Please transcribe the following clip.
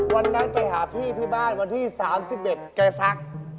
วันนั้นไปหาพี่ที่บ้านวันที่๓๑แกซัก